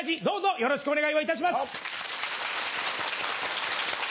どうぞよろしくお願いをいたします。